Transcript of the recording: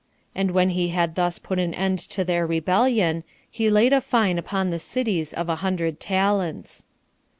And when he had thus put an end to their rebellion, he laid a fine upon the cities of a hundred talents.